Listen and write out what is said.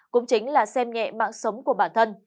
cũng chính là xem nhẹ mạng sống của bản thân